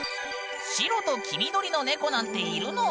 白と黄緑の猫なんているの？